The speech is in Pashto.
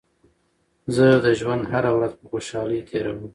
زه د ژوند هره ورځ په خوشحالۍ تېروم.